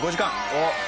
おっ。